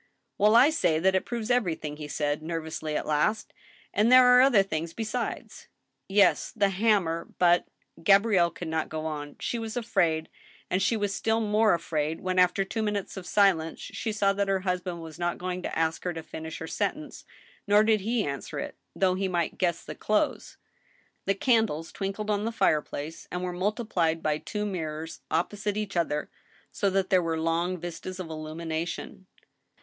" Well, I say that it proves ever3rthing," he said, nervously, at last, "and there are other things besides." " Yes, the hammer ; but —" Gabrielle could not go on. She was afraid, and she was still more afraid when, after two minutes of silence, she saw that her husband was not going to ask her to finish her sentence, nor did he answer it, though he might guess the close. The candles twinkled on the fireplace, and were multiplied by the two mirrors opposite each other, so that there were long vistas of illumination.